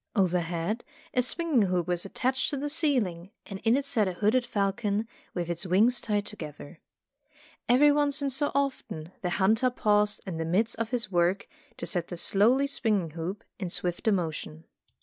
Overhead a swinging hoop was attached to the ceiling, and in it sat a hooded falcon, with its wings tied together. Every once in so often, the hunter paused in the midst 136 Tales of Modern Germany of his work, to set the slowly swinging hoop in swifter motion.